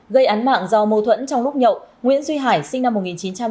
gây án mạng do mâu thuẫn trong lúc nhậu nguyễn duy hải sinh năm một nghìn chín trăm tám mươi